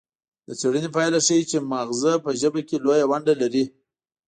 د څیړنې پایله ښيي چې مغزه په ژبه کې لویه ونډه لري